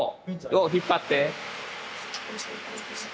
よう引っ張って。